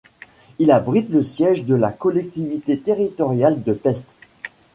Il abrite le siège de la collectivité territoriale de Pest.